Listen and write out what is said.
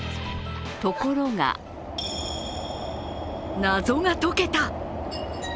ところが、謎が解けた。